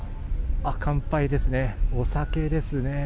乾杯ですね、お酒ですね。